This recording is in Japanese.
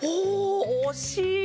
おおおしい！